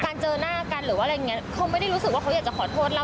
เจอหน้ากันหรือว่าอะไรอย่างเงี้ยเขาไม่ได้รู้สึกว่าเขาอยากจะขอโทษเรา